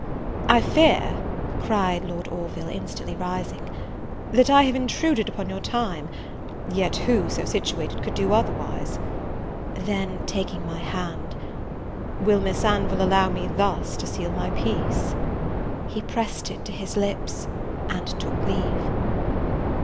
"I fear," cried Lord Orville, instantly rising, "that I have intruded upon your time; yet who, so situated, could do otherwise?" Then, taking my hand, "Will Miss Anville allow me thus to seal my peace?" he pressed it to his lips, and took leave.